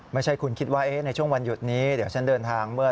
ไม่ใช่คุณคิดว่าในช่วงวันหยุดนี้เดี๋ยวฉันเดินทางเมื่อ